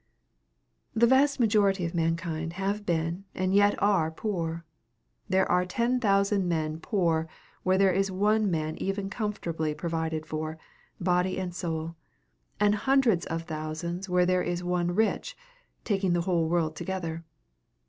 The vast majority of mankind have been and yet are poor. There are ten thousand men poor where there is one man even comfortably provided for, body and soul, and hundreds of thousands where there is one rich, taking the whole world together.